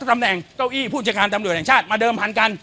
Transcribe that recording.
ตำแหน่งเก้าอี้ผู้จัดการตำรวจแห่งชาติมาเดิมพันกัน